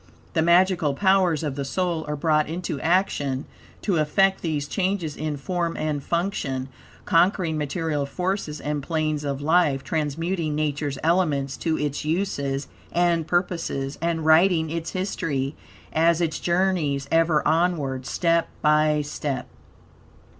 The magical powers of the soul are brought into action to effect these changes in form and function, conquering material forces and planes of life, transmuting Nature's elements to its uses and purposes, and writing its history, as it journeys ever onward, step by step.